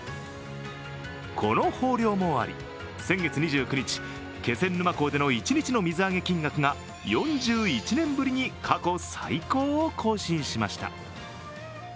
この豊漁もあり、先月２９日、気仙沼港での一日の水揚げ金額が４１年ぶりに過去最高を更新しました。